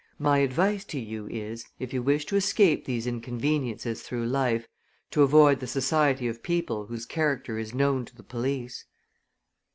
My advice to you is, if you wish to escape these inconveniences through life, to avoid the society of people whose character is known to the police."